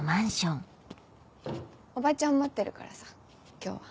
おばちゃん待ってるからさ今日は。